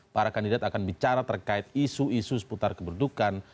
para kandidat akan bicara terkait isu isu seputar keberdukan